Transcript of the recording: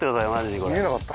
見えなかった。